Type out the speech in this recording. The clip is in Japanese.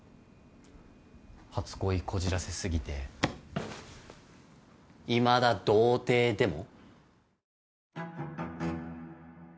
初恋こじらせ過ぎていまだ童貞でも？